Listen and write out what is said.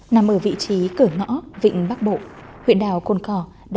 nằm ở vị trí cửa ngõ vịnh bắc bộ huyện đảo cồn cỏ